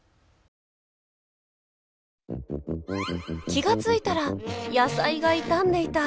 気が付いたら野菜が傷んでいた。